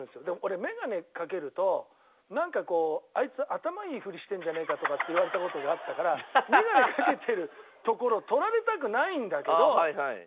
でも俺メガネ掛けるとなんかこう「あいつ頭いいふりしてるんじゃねえか」とかって言われた事があったからメガネ掛けてるところ撮られたくないんだけど。